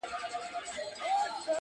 هم باید څرګند پیغام او هدف ولري -